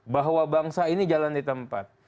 bahwa bangsa ini jalan di tempat